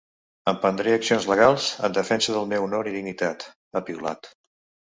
Emprendré accions legals, en defensa del meu honor i dignitat, ha piulat.